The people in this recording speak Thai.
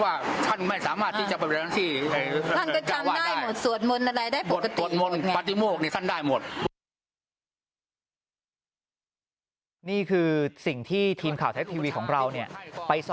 ว่าท่านไม่สามารถที่จะประเวรทางที่